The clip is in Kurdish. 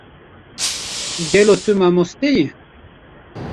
gelo tu mamoste yî?